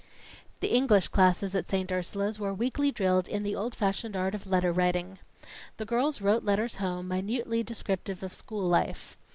The English classes at St. Ursula's were weekly drilled in the old fashioned art of letter writing. The girls wrote letters home, minutely descriptive of school life.